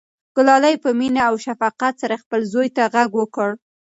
ګلالۍ په مینه او شفقت سره خپل زوی ته غږ وکړ.